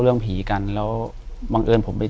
อยู่ที่แม่ศรีวิรัยิลครับ